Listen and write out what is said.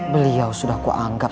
beliau sudah kuanggap